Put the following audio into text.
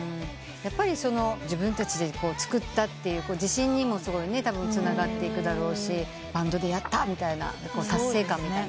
やっぱり自分たちで作ったという自信にもたぶんつながっていくだろうしバンドでやったって達成感も。